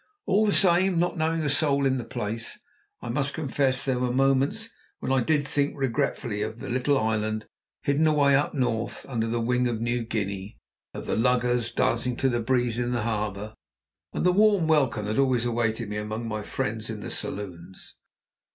All the same, not knowing a soul in the place, I must confess there were moments when I did think regretfully of the little island hidden away up north under the wing of New Guinea, of the luggers dancing to the breeze in the harbour, and the warm welcome that always awaited me among my friends in the saloons.